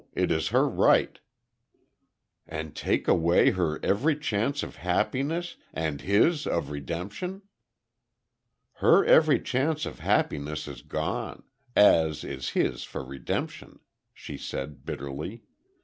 It is her right." "And take away her every chance of happiness and his of redemption." "Her every chance of happiness is gone; as is his for redemption," she said, bitterly.